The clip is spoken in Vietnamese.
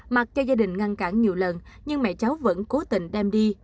mặc cho gia đình ngăn cản nhiều lần nhưng mẹ cháu vẫn cố tình đem đi